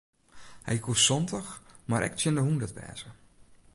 Hy koe santich mar ek tsjin de hûndert wêze.